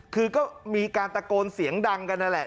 คือก็มีการตะโกนเสียงดังกันนั่นแหละ